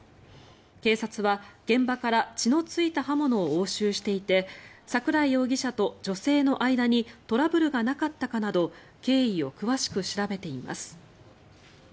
警察は現場から血のついた刃物を押収していて櫻井容疑者と女性の間にトラブルがなかったかなど経緯を詳しく調べています。